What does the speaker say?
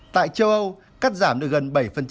tại châu âu cắt giảm được gần bảy